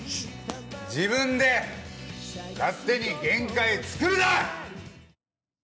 自分で勝手に限界作るな！